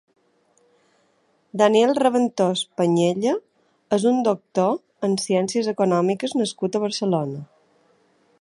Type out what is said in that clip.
Daniel Raventós Pañella és un doctor en Ciències Econòmiques nascut a Barcelona.